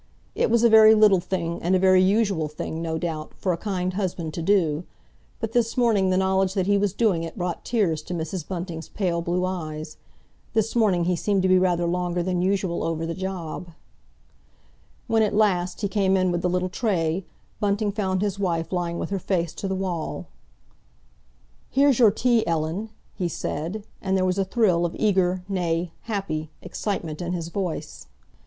It was a very little thing and a very usual thing, no doubt, for a kind husband to do, but this morning the knowledge that he was doing it brought tears to Mrs. Bunting's pale blue eyes. This morning he seemed to be rather longer than usual over the job. When, at last, he came in with the little tray, Bunting found his wife lying with her face to the wall. "Here's your tea, Ellen," he said, and there was a thrill of eager, nay happy, excitement in his voice.